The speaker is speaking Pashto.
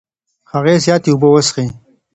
هغې زياتې اوبه څښې.